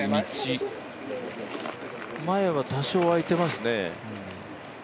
前は多少開いてますね。